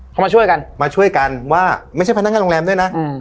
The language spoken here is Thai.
เขามาช่วยกันไม่ใช่เพียงแท้โรงแรมด้วยนะ